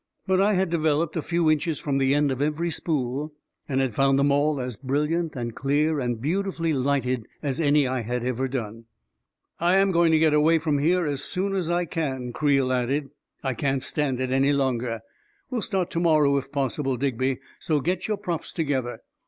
But I had developed a few inches from the end of every spool, and had found them all as brilliant and clear and beautifully lighted as any I had ever done. " I am going to get away from here as soon as I can," Creel added. " I can't stand it any longer. We'll start to morrow, if possible, Digby, so get your props together.